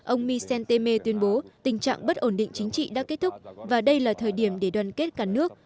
ông michel temer tuyên bố tình trạng bất ổn định chính trị đã kết thúc và đây là thời điểm để đoàn kết cả nước